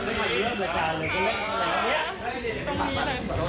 สวัสดีครับคุณผู้ชมครับ